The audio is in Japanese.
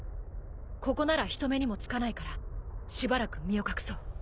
ここなら人目にもつかないからしばらく身を隠そう。